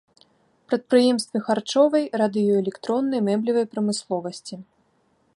Прадпрыемствы харчовай, радыёэлектроннай, мэблевай прамысловасці.